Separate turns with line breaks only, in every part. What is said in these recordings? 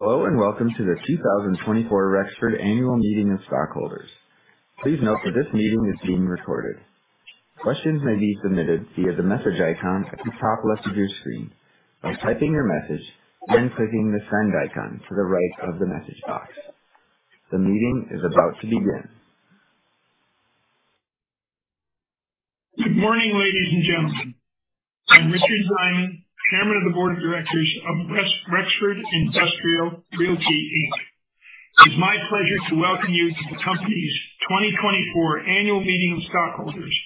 Hello and welcome to the 2024 Rexford Annual Meeting of Stockholders. Please note that this meeting is being recorded. Questions may be submitted via the message icon at the top left of your screen by typing your message and clicking the Send icon to the right of the message box. The meeting is about to begin.
Good morning, ladies and gentlemen. I'm Richard Ziman, Chairman of the Board of Directors of Rexford Industrial Realty, Inc. It's my pleasure to welcome you to the company's 2024 Annual Meeting of Stockholders,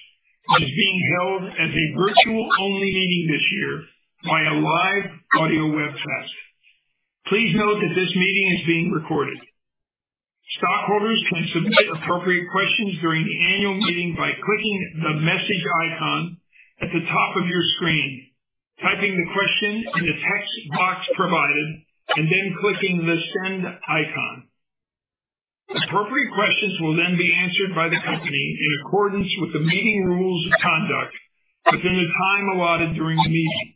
which is being held as a virtual-only meeting this year by a live audio webcast. Please note that this meeting is being recorded. Stockholders can submit appropriate questions during the annual meeting by clicking the message icon at the top of your screen, typing the question in the text box provided, and then clicking the Send icon. Appropriate questions will then be answered by the company in accordance with the meeting rules of conduct within the time allotted during the meeting.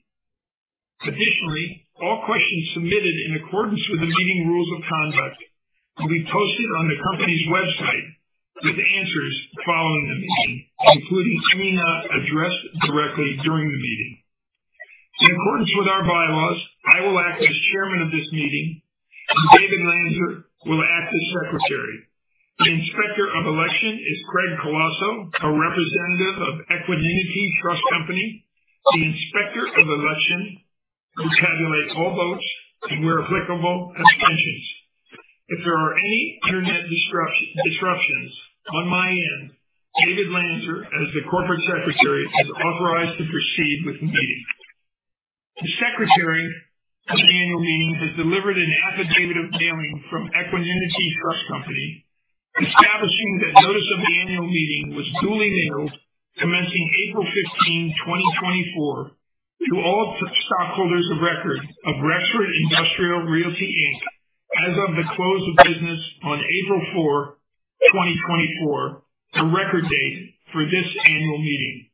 Additionally, all questions submitted in accordance with the meeting rules of conduct will be posted on the company's website with answers following the meeting, including any not addressed directly during the meeting. In accordance with our bylaws, I will act as Chairman of this meeting, and David Lanzer will act as Secretary. The Inspector of Election is Craig Colosso, a representative of Equiniti Trust Company. The Inspector of Election will tabulate all votes and, where applicable, abstentions. If there are any internet disruptions on my end, David Lanzer, as the Corporate Secretary, is authorized to proceed with the meeting. The Secretary of the Annual Meeting has delivered an affidavit of mailing from Equiniti Trust Company, establishing that notice of the annual meeting was duly mailed commencing April 15, 2024, to all stockholders of record of Rexford Industrial Realty, Inc., as of the close of business on April 4, 2024, the record date for this annual meeting.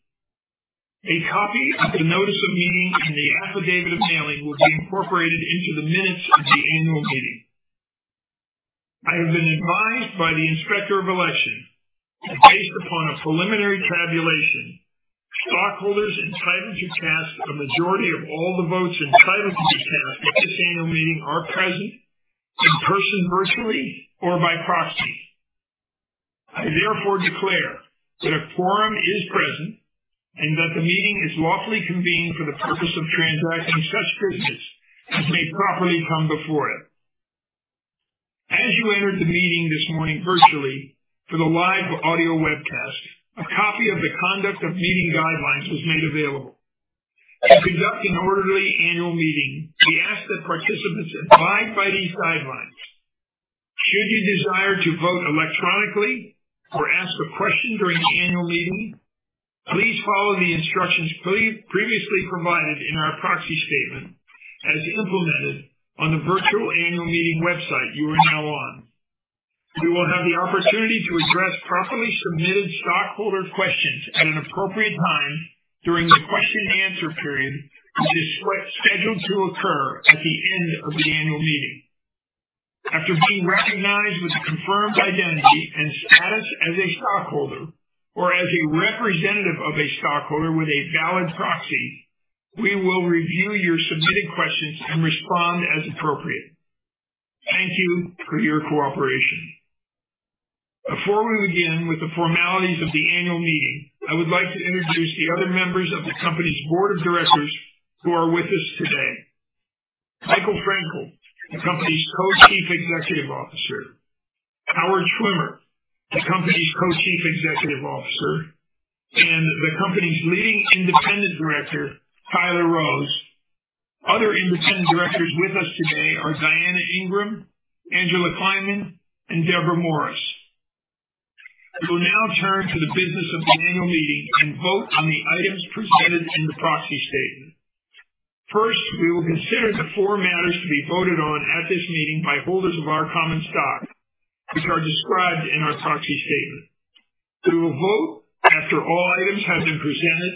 A copy of the notice of meeting and the affidavit of mailing will be incorporated into the minutes of the annual meeting. I have been advised by the Inspector of Election that, based upon a preliminary tabulation, stockholders entitled to cast a majority of all the votes entitled to be cast at this annual meeting are present in person, virtually, or by proxy. I therefore declare that a quorum is present and that the meeting is lawfully convened for the purpose of transacting such business as may properly come before it. As you entered the meeting this morning virtually for the live audio webcast, a copy of the conduct of meeting guidelines was made available. To conduct an orderly annual meeting, we ask that participants abide by these guidelines. Should you desire to vote electronically or ask a question during the annual meeting, please follow the instructions previously provided in our Proxy Statement as implemented on the virtual annual meeting website you are now on. You will have the opportunity to address properly submitted stockholder questions at an appropriate time during the question-and-answer period, which is scheduled to occur at the end of the annual meeting. After being recognized with confirmed identity and status as a stockholder or as a representative of a stockholder with a valid proxy, we will review your submitted questions and respond as appropriate. Thank you for your cooperation. Before we begin with the formalities of the annual meeting, I would like to introduce the other members of the company's Board of Directors who are with us today: Michael Frankel, the company's Co-Chief Executive Officer, Howard Schwimmer, the company's Co-Chief Executive Officer, and the company's leading independent director, Tyler Rose. Other independent directors with us today are Diana Ingram, Angela Kleiman, and Debra Morris. We will now turn to the business of the annual meeting and vote on the items presented in the Proxy Statement. First, we will consider the four matters to be voted on at this meeting by holders of our common stock, which are described in our Proxy Statement. We will vote after all items have been presented,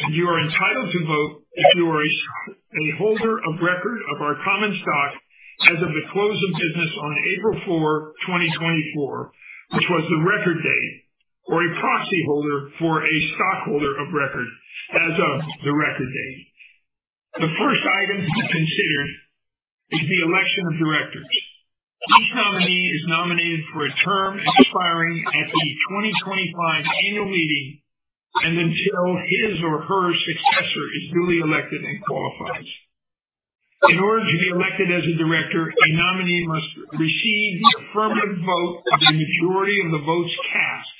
and you are entitled to vote if you are a holder of record of our common stock as of the close of business on April 4, 2024, which was the Record Date, or a proxy holder for a stockholder of record as of the Record Date. The first item to be considered is the election of directors. Each nominee is nominated for a term expiring at the 2025 annual meeting and until his or her successor is duly elected and qualifies. In order to be elected as a director, a nominee must receive the affirmative vote of a majority of the votes cast,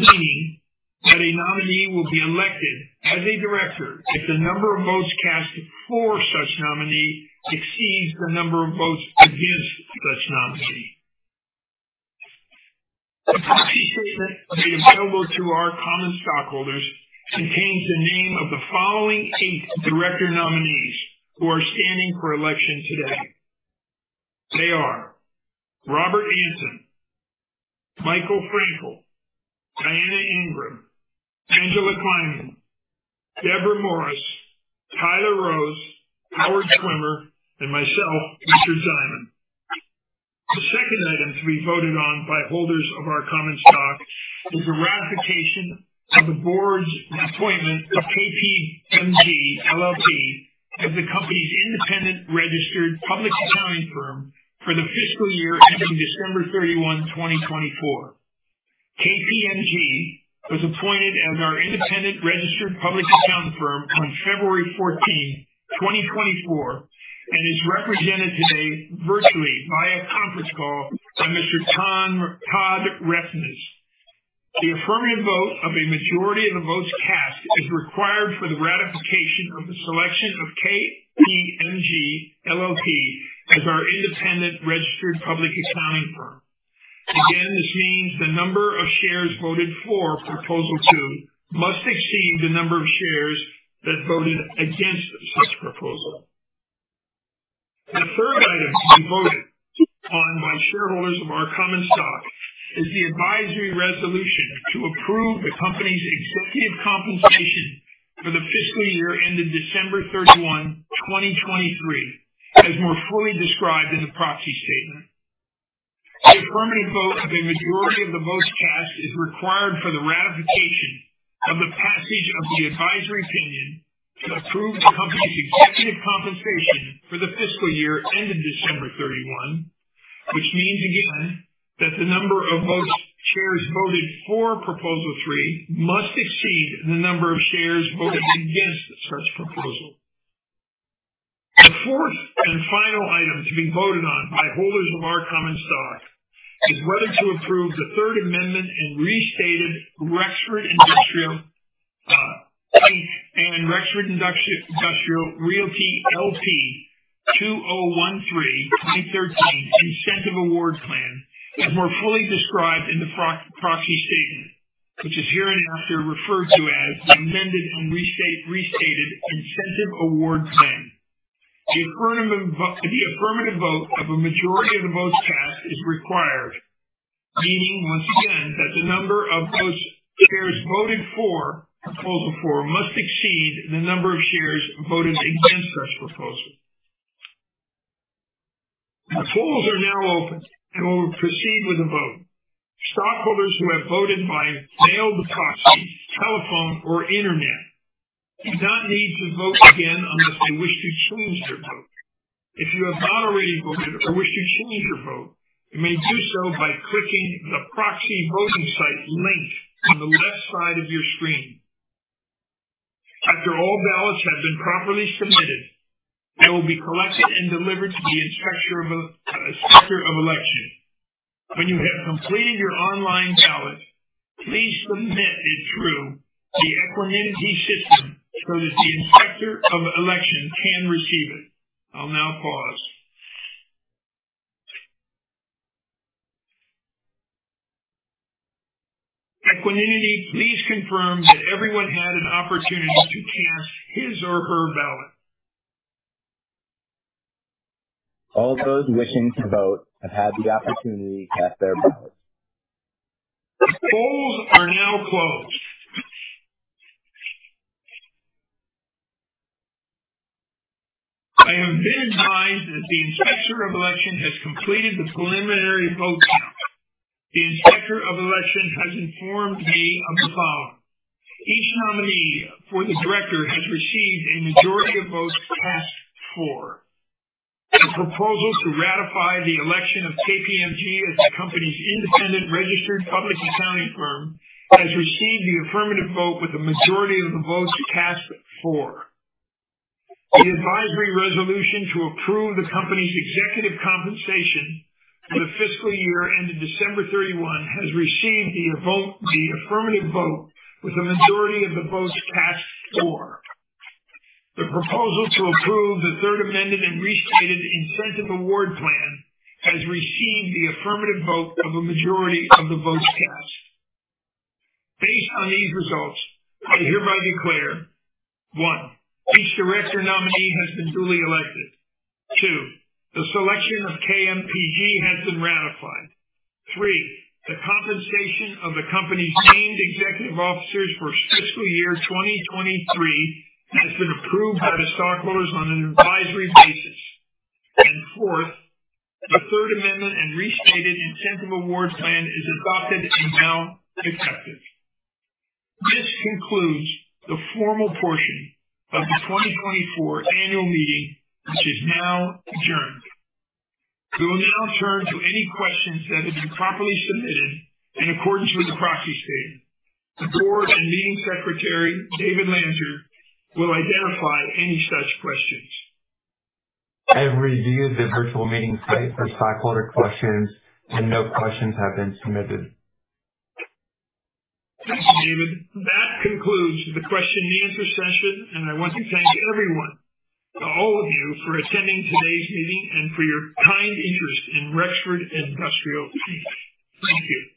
meaning that a nominee will be elected as a director if the number of votes cast for such nominee exceeds the number of votes against such nominee. The proxy statement made available to our common stockholders contains the name of the following eight director nominees who are standing for election today. They are Robert Antin, Michael Frankel, Diana Ingram, Angela Kleiman, Debra Morris, Tyler Rose, Howard Schwimmer, and myself, Richard Ziman. The second item to be voted on by holders of our common stock is the ratification of the board's appointment of KPMG LLP as the company's independent registered public accounting firm for the fiscal year ending December 31, 2024. KPMG was appointed as our independent registered public accounting firm on February 14, 2024, and is represented today virtually via conference call by Mr. Todd Refnes. The affirmative vote of a majority of the votes cast is required for the ratification of the selection of KPMG LLP, as our independent registered public accounting firm. Again, this means the number of shares voted for Proposal 2 must exceed the number of shares that voted against such proposal. The third item to be voted on by shareholders of our common stock is the advisory resolution to approve the company's executive compensation for the fiscal year ended December 31, 2023, as more fully described in the proxy statement. The affirmative vote of a majority of the votes cast is required for the ratification of the passage of the advisory opinion to approve the company's executive compensation for the fiscal year ended December 31, which means, again, that the number of shares voted for Proposal 3 must exceed the number of shares voted against such proposal. The fourth and final item to be voted on by holders of our common stock is whether to approve the Third Amended and Restated Rexford Industrial Realty, L.P. 2013 Incentive Award Plan, as more fully described in the Proxy Statement, which is hereinafter referred to as the Amended and Restated Incentive Award Plan. The affirmative vote of a majority of the votes cast is required, meaning, once again, that the number of shares voted for Proposal 4 must exceed the number of shares voted against such proposal. The polls are now open and will proceed with the vote. Stockholders who have voted by mail, proxy, telephone, or internet do not need to vote again unless they wish to change their vote. If you have not already voted or wish to change your vote, you may do so by clicking the proxy voting site link on the left side of your screen. After all ballots have been properly submitted, they will be collected and delivered to the Inspector of Election. When you have completed your online ballot, please submit it through the Equiniti system so that the Inspector of Election can receive it. I'll now pause. Equiniti, please confirm that everyone had an opportunity to cast his or her ballot.
All those wishing to vote have had the opportunity to cast their ballot.
The polls are now closed. I have been advised that the Inspector of Election has completed the preliminary vote count. The Inspector of Election has informed me of the following. Each nominee for the director has received a majority of votes cast for. The proposal to ratify the election of KPMG as the company's independent registered public accounting firm has received the affirmative vote with a majority of the votes cast for. The advisory resolution to approve the company's executive compensation for the fiscal year ended December 31 has received the affirmative vote with a majority of the votes cast for. The proposal to approve the Third Amended and Restated Incentive Award Plan has received the affirmative vote of a majority of the votes cast. Based on these results, I hereby declare: 1) Each director nominee has been duly elected. 2) The selection of KPMG has been ratified. 3) The compensation of the company's named executive officers for fiscal year 2023 has been approved by the stockholders on an advisory basis. 4) The Third Amended and Restated Incentive Award Plan is adopted and now effective. This concludes the formal portion of the 2024 Annual Meeting, which is now adjourned. We will now turn to any questions that have been properly submitted in accordance with the Proxy Statement. The board and meeting secretary, David Lanzer, will identify any such questions.
I have reviewed the virtual meeting site for stockholder questions, and no questions have been submitted.
Thank you, David. That concludes the question-and-answer session, and I want to thank everyone, all of you, for attending today's meeting and for your kind interest in Rexford Industrial Realty. Thank you.